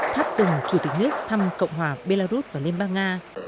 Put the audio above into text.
thắp từng chủ tịch nước thăm cộng hòa belarus và liên bang nga